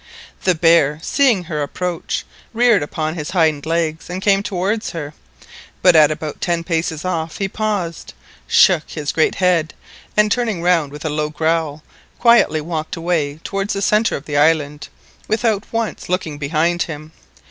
The bear, seeing her approach, reared upon his hind legs, and came towards her, but at about ten paces off he paused, shook his great head, and turning round with a low growl, quietly walked away towards the centre of the island, without once looking behind him.